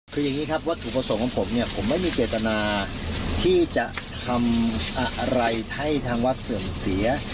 คืออย่างนี้ครับวัตถุประสงค์ของผมเนี่ยผมไม่มีเจตนาที่จะทำอะไรให้ทางวัดเสื่อมเสีย